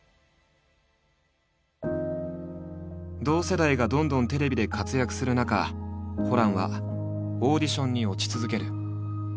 同世代がどんどんテレビで活躍する中ホランはオーディションに落ち続ける。